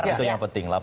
itu yang penting